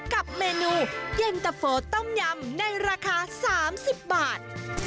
กับเมนูเย็นตะโฟต้มยำในราคา๓๐บาท